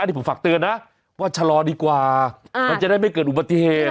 นี่ผมฝากเตือนนะว่าชะลอดีกว่ามันจะได้ไม่เกิดอุบัติเหตุ